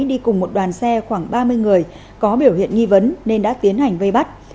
đi cùng một đoàn xe khoảng ba mươi người có biểu hiện nghi vấn nên đã tiến hành vây bắt